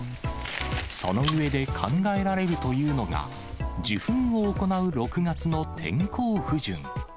その上で、考えられるというのが、受粉を行う６月の天候不順。